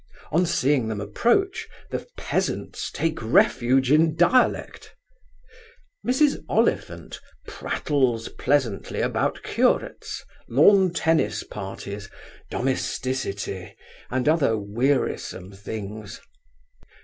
On seeing them approach, the peasants take refuge in dialect. Mrs. Oliphant prattles pleasantly about curates, lawn tennis parties, domesticity, and other wearisome things.